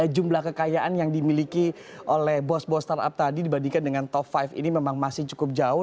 jumlah kekayaan yang dimiliki oleh bos bos startup tadi dibandingkan dengan top lima ini memang masih cukup jauh